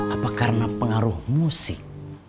apa karena pengaruh musik